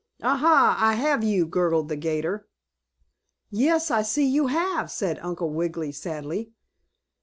"Ah, ha! I have you!" gurgled the 'gator. "Yes, I see you have!" said Uncle Wiggily, sadly.